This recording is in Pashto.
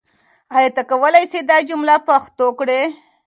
آیا ته کولای سې دا جمله پښتو کړې؟